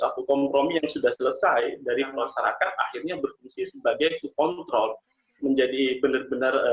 aku kompromi yang sudah selesai dari masyarakat akhirnya berfungsi sebagai kontrol menjadi benar benar